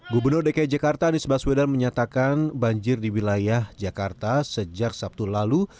gubernur dki jakarta anies baswedan menyatakan banjir di wilayah jakarta sejak sabtu lalu